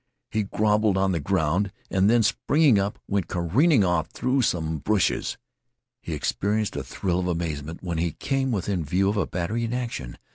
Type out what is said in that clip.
He groveled on the ground and then springing up went careering off through some bushes. He experienced a thrill of amazement when he came within view of a battery in action.